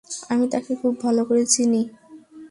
আমি তাকে খুব ভালো করে চিনি।